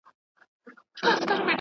په جګړه کي باید د ملکي وګړو ساتنه وسي.